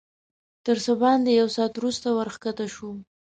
تر څه باندې یو ساعت وروسته ورښکته شوو.